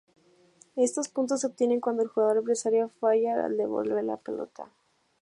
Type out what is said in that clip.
Estos puntos se obtienen cuando el jugador adversario falla al devolver la pelota.